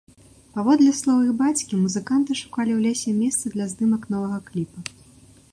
Паводле слоў іх бацькі, музыканты шукалі ў лесе месца для здымак новага кліпа.